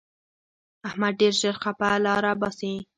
احمد ډېر ژر خپله لاره باسي.